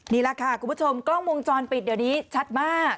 นี่แหละค่ะคุณผู้ชมกล้องวงจรปิดเดี๋ยวนี้ชัดมาก